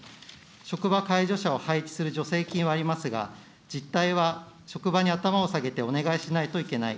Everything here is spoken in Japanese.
職場介助者を配置する助成金はありますが、実態は職場に頭を下げてお願いしないといけない。